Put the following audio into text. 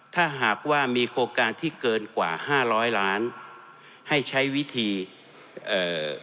ถ้าหากว่ามีโครงการที่เกินกว่าห้าร้อยล้านให้ใช้วิธีเอ่อ